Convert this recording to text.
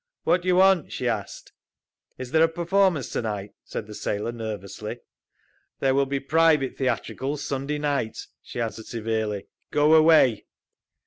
"What do you want?" she asked. "Is there a performance to night?" said the sailor, nervously. "There will be private theatricals Sunday night," she answered severely. "Go away."